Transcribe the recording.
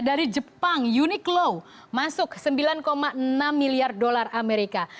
dari jepang uniqlow masuk sembilan enam miliar dolar amerika